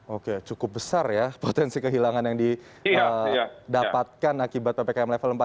oke cukup besar ya potensi kehilangan yang didapatkan akibat ppkm level empat